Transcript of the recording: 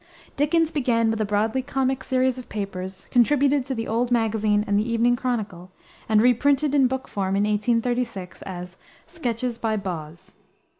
Dickens began with a broadly comic series of papers, contributed to the Old Magazine and the Evening Chronicle, and reprinted in book form, in 1836, as Sketches by Boz.